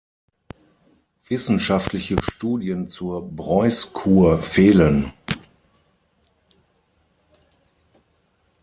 Wissenschaftliche Studien zur Breuß-Kur fehlen.